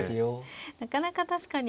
なかなか確かに。